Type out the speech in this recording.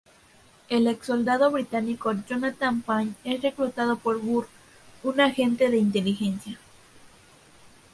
El exsoldado británico Jonathan Pine es reclutado por Burr, una agente de inteligencia.